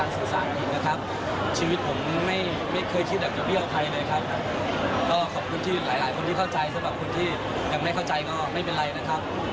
สำหรับคนที่อยากไม่เข้าใจก็ไม่เป็นไรนะครับ